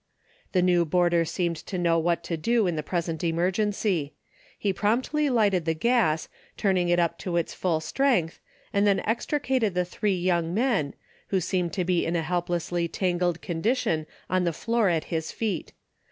The new boarder seemed to know what to do in the present emergency. He promptly lighted the gas, turning it up to its full strength, and then extricated the three young men, who seemed to be in a helplessly tangled condition on the floor at his feet.